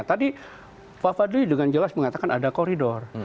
tadi pak fadli dengan jelas mengatakan ada koridor